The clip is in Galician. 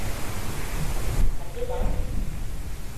¿A que van?